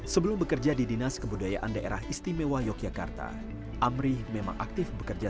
sebelum bekerja di dinas kebudayaan daerah istimewa yogyakarta amri memang aktif bekerja